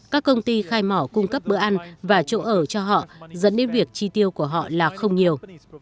các công ty khai mỏ cung cấp bữa ăn và chỗ ở cho họ dẫn đến việc chi tiêu của họ là không nhiều